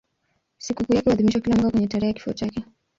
Sikukuu yake huadhimishwa kila mwaka kwenye tarehe ya kifo chake.